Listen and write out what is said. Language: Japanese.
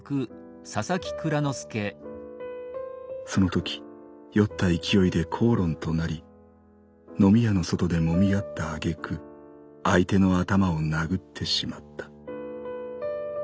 そのとき酔った勢いで口論となり飲み屋の外で揉み合った挙句相手の頭を殴ってしまった。